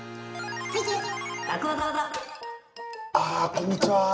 こんにちは。